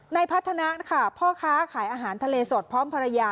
พัฒนานะคะพ่อค้าขายอาหารทะเลสดพร้อมภรรยา